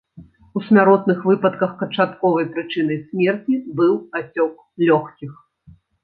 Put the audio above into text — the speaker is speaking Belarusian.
У смяротных выпадках канчатковай прычынай смерці быў ацёк лёгкіх.